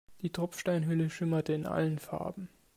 Die Tropfsteinhöhle schimmerte in allen Farben.